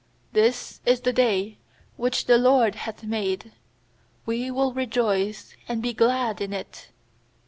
24This is the day which the LORD hath made; We will rejoice and be glad in it.